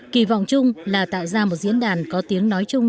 kỳ vọng chung là tạo ra một diễn đàn có tiếng nói chung